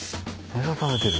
餌食べてる。